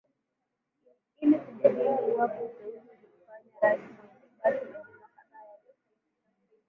ili kujadili iwapo uteuzi alioufanya rais mwai kibaki majuma kadhaa yaliopita